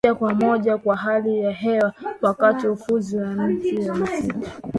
moja kwa moja kwa hali ya hewa wakati ukuzi wa miti ya misitu